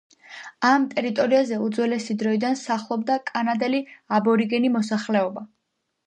ამ ტერიტორიაზე უძველესი დროიდან სახლობდა კანადელი აბორიგენი მოსახლეობა.